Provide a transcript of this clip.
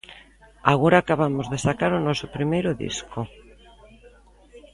Agora acabamos de sacar o noso primeiro disco.